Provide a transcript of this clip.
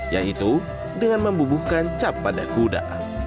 yaitu dengan membubuhkan cap pada kuda